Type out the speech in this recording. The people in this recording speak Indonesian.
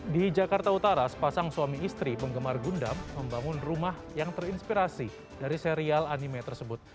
di jakarta utara sepasang suami istri penggemar gundam membangun rumah yang terinspirasi dari serial anime tersebut